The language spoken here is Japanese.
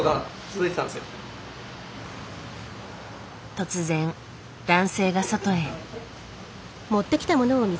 突然男性が外へ。